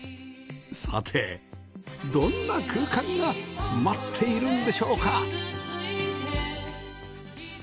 さてどんな空間が待っているんでしょうか？